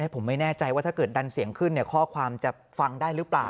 ผมไม่แน่ใจว่าถ้าเกิดดันเสียงขึ้นข้อความจะฟังได้หรือเปล่า